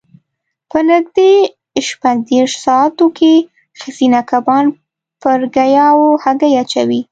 په نږدې شپږ دېرش ساعتو کې ښځینه کبان پر ګیاوو هګۍ اچوي.